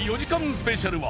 スペシャルは